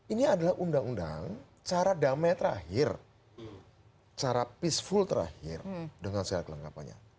ini adalah undang undang cara damai terakhir cara peaceful terakhir dengan segala kelengkapannya